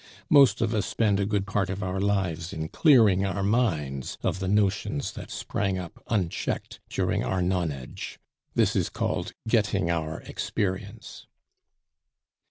Most of us spend a good part of our lives in clearing our minds of the notions that sprang up unchecked during our nonage. This is called 'getting our experience.